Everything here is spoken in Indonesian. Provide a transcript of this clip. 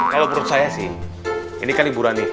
kalau menurut saya sih ini kan liburan nih